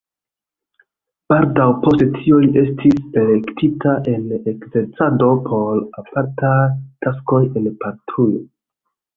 Baldaŭ post tio li estis elektita en ekzercado por apartaj taskoj en patrujo.